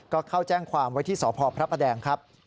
ก็เข้าแจ้งความไว้ที่สพพระประแดงครับ